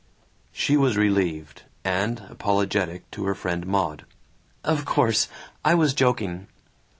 She was relieved, and apologetic to her friend Maud. "Of course. I was joking."